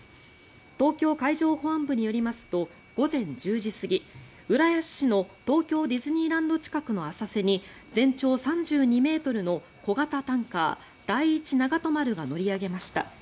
東京海上保安部によりますと午前１０時すぎ浦安市の東京ディズニーランド近くの浅瀬に全長３２ｍの小型タンカー「第１ながと丸」が乗り上げました。